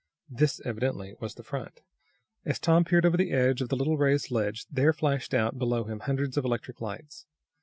This, evidently, was the front. As Tom peered over the edge of the little raised ledge, there flashed out below him hundreds of electric lights.